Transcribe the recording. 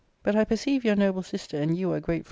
But I perceive your noble sister and you are great